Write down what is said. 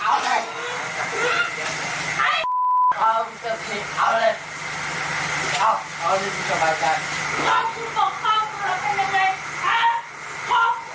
เขาไม่มีคนบอกหรอก